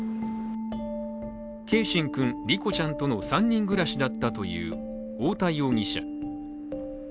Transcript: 継真君、梨心ちゃんとの３人暮らしだったという太田容疑者。